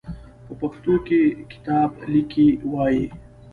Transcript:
په پښتو کې کتاب ته ليکی وايي.